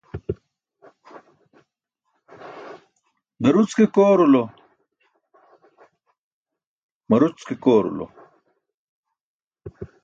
Daruc ke koorulo, maruć ke koorulo.